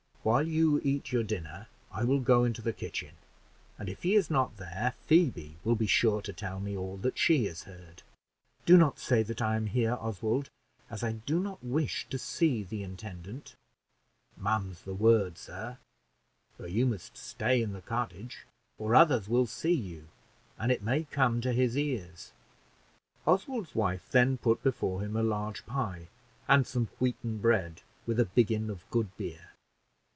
While you eat your dinner, I will go into the kitchen; and if he is not there, Phoebe will be sure to tell me all that she has heard." "Do not say that I am here, Oswald, as I do not wish to see the intendant." "Mum's the word, sir; but you must stay in the cottage, or others will see you, and it may come to his ears." Oswald's wife then put before him a large pie, and some wheaten bread, with a biggin of good beer.